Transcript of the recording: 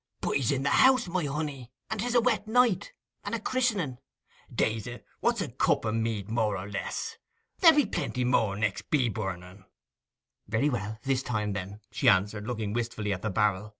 'But he's in the house, my honey; and 'tis a wet night, and a christening. Daze it, what's a cup of mead more or less? There'll be plenty more next bee burning.' 'Very well—this time, then,' she answered, looking wistfully at the barrel.